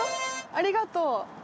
ありがとう。